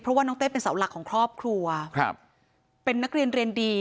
เพราะว่าน้องเต้เป็นเสาหลักของครอบครัวครับเป็นนักเรียนเรียนดี